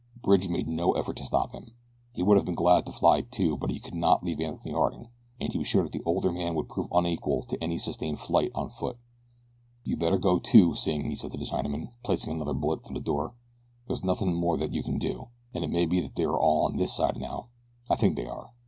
Bridge made no effort to stop him. He would have been glad to fly, too; but he could not leave Anthony Harding, and he was sure that the older man would prove unequal to any sustained flight on foot. "You better go, too, Sing," he said to the Chinaman, placing another bullet through the door; "there's nothing more that you can do, and it may be that they are all on this side now I think they are.